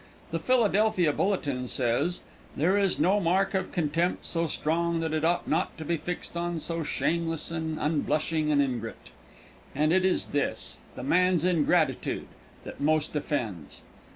The Philadelphia Bulletin says: "There is no mark of contempt so strong that it ought not to be fixed on so shameless and unblushing an ingrate." And it is this the man's ingratitude that most offends.